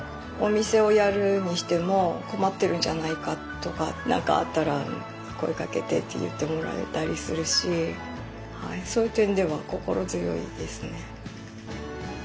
お店をやるにしても「困ってるんじゃないか」とか「何かあったら声かけて」って言ってもらえたりするしそういう点では心強いですね。